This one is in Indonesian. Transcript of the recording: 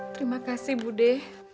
terima kasih bu de